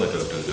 aduh aduh aduh